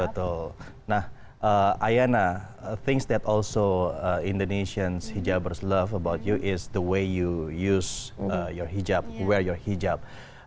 betul nah ayana hal hal yang juga menarik untuk orang indonesia adalah cara anda menggunakan hijab